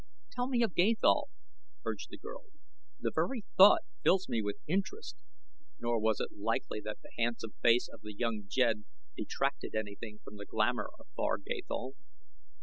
"Tell me of Gathol," urged the girl. "The very thought fills me with interest," nor was it likely that the handsome face of the young jed detracted anything from the glamour of far Gathol.